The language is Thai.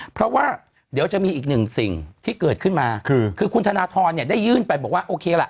เพราะว่าเดี๋ยวจะมีอีกหนึ่งสิ่งที่เกิดขึ้นมาคือคือคุณธนทรเนี่ยได้ยื่นไปบอกว่าโอเคล่ะ